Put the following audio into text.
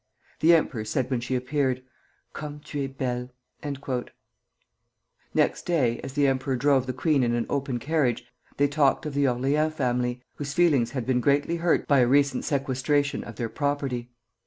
The emperor said when she appeared: 'Comme tu es belle!'" Next day, as the emperor drove the queen in an open carriage, they talked of the Orleans family, whose feelings had been greatly hurt by a recent sequestration of their property.